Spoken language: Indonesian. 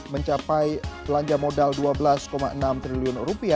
mencapai belanja modal rp dua belas enam triliun